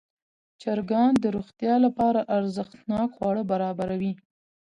چرګان د روغتیا لپاره ارزښتناک خواړه برابروي.